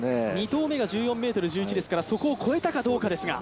２投目が１４ｍ１１ですからそこを越えたかどうですが。